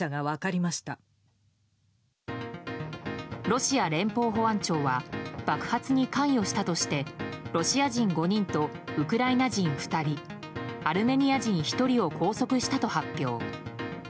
ロシア連邦保安庁は爆発に関与したとしてロシア人５人とウクライナ人２人アルメニア人１人を拘束したと発表。